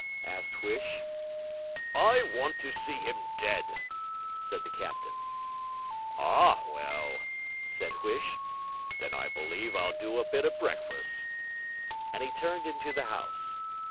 asked Huish. 'I want to see him dead,' said the captain. 'Ah, well!' said Huish, 'then I believe I'll do a bit of breakfast.' And he turned into the house.